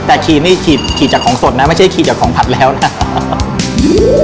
แต่ขี่นี่ขีดขีดจากของสดนะไม่ใช่ขี่จากของผัดแล้วนะ